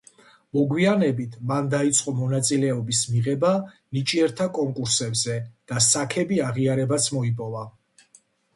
მოგვიანებით მან დაიწყო მონაწილეობის მიღება ნიჭიერთა კონკურსებზე და საქები აღიარებაც მოიპოვა.